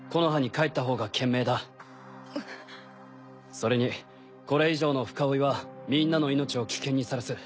それにこれ以上の深追いはみんなの命を危険にさらす。